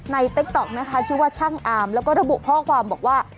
ติ๊กต๊อกนะคะชื่อว่าช่างอาร์มแล้วก็ระบุข้อความบอกว่า